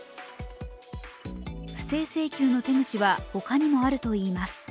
不正請求の手口は他にもあるといいます。